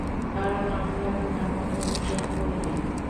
কারণ আমরা তোমার মতন যোগ্য নই?